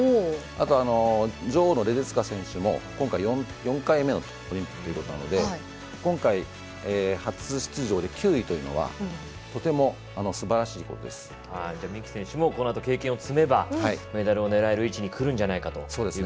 あと、女王のレデツカ選手も今回４回目のオリンピックということなので今回、初出場で９位というのは三木選手もこのあと経験を積めばメダルを狙える位置にくるんじゃないかと。